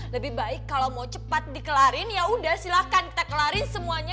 lebih baik kalau mau cepat dikelarin ya udah silahkan kita kelarin semuanya